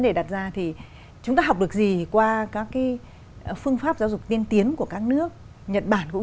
đề đặt ra thì chúng ta học được gì qua các phương pháp giáo dục tiên tiến của các nước nhật bản cũng